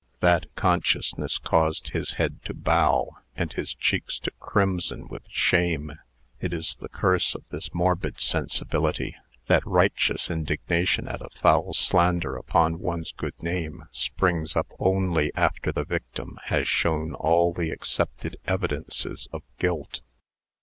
That consciousness caused his head to bow, and his cheeks to crimson with shame. It is the curse of this morbid sensibility, that righteous indignation at a foul slander upon one's good name springs up only after the victim has shown all the accepted evidences of guilt.